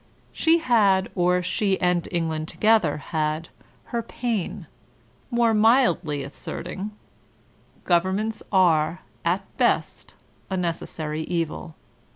*' She had, or she and England together had, her Paine, more mildly asserting: ''Governments are, at best, a necessary evil.''